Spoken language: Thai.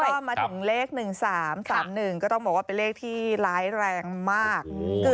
ก็มาถึงเลข๑๓๓๑ก็ต้องบอกว่าเป็นเลขที่ร้ายแรงมาก